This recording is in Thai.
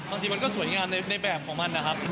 บางทีมันก็สวยงามในแบบของมันนะครับ